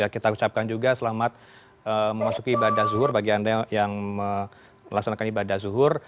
kita ucapkan juga selamat memasuki ibadah zuhur bagi anda yang melaksanakan ibadah zuhur